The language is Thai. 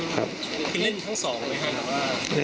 คือเล่นทั้งสองไหมครับ